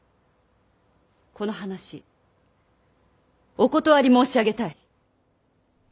この話お断り申し上げたい。